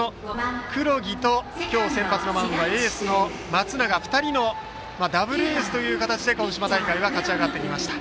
黒木と今日先発のマウンドエース、松永２人のダブルエースという形で鹿児島大会は勝ち上がってきました。